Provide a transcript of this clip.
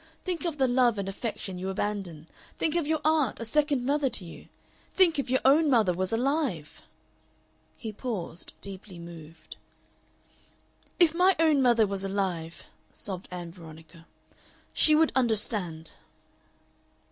Think of the love and affection you abandon! Think of your aunt, a second mother to you. Think if your own mother was alive!" He paused, deeply moved. "If my own mother was alive," sobbed Ann Veronica, "she would understand."